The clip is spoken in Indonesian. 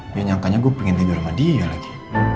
dia nyangkanya gue pengen tanya sama dia lagi